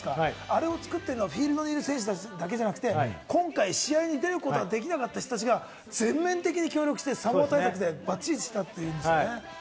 あれを作ってるのはフィールドにいる選手だけじゃなくて、今回試合に出られなかった人たちが全面的に協力してサモア対策をバッチリしたって言っていた。